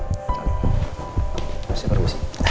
terima kasih prof